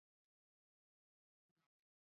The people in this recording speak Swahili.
guinea bissau kuchuana katika mechi ya marudiano